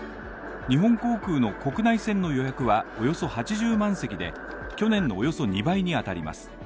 日本航空の国内線の予約はおよそ８０万席で、去年のおよそ２倍にあたります。